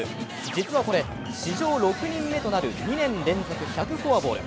実はこれ史上６人目となる２年連続１００フォアボール。